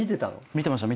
見てました